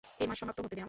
এ মাস সমাপ্ত হতে দাও।